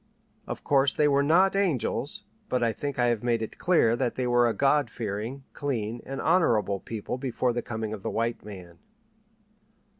Of course they were not angels, but I think I have made it clear that they were a God fearing, clean, and honorable people before the coming of the white man.